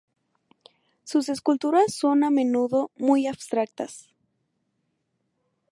Sus esculturas son a menudo muy abstractas.